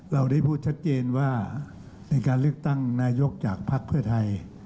เราได้พูดชัดเจนว่าในการเลือกตั้งนายกจากภักดิ์เพื่อไทย